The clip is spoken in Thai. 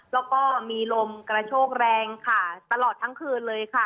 แล้วก็มีลมกระโชกแรงค่ะตลอดทั้งคืนเลยค่ะ